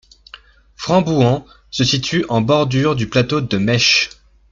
Frambouhans se situe en bordure du plateau de Maîche.